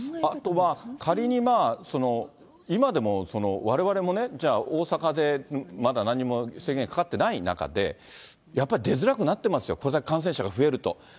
あとは仮に、今でも、われわれもね、じゃあ大阪で、まだなんにも制限かかってない中で、やっぱり出づらくなってますよ、これだけ感染者が増えると。